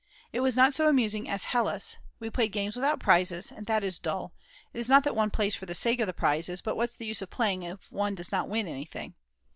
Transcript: It was not so amusing as at Hella's. We played games without prizes, and that is dull; it is not that one plays for the sake of the prizes, but what's the use of playing if one does not win anything?